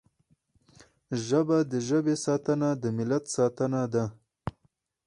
ژبه د ژبې ساتنه د ملت ساتنه ده